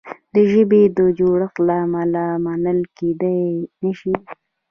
د ژبې د جوړښت له امله منل کیدلای نه شي.